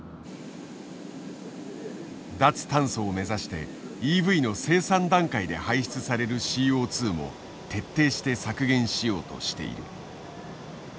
脱炭素を目指してＥＶの生産段階で排出されるＣＯも徹底して削減しようとしている。